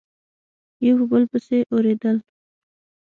یو په بل پسي اوریدل